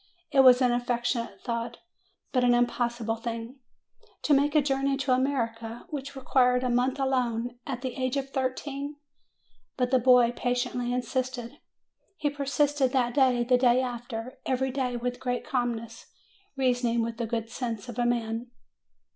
It was an affectionate thought, but an im possible thing. To make a journey to America, which required a month alone, at the age of thirteen! But the boy patiently insisted. He persisted that day, the day after, every day, with great calmness, reasoning with the good sense of a man.